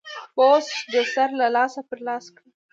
پوسټ در سره لاس پر لاس کړئ.